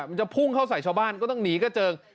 มันจะพุ่งเข้าใส่ชาวบ้านก็ต้องหนีกระเจิง